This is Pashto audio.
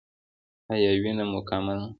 ایا وینه مو کمه ده؟